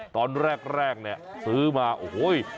ตอนแรกเนี่ยซื้อมาโอ้โห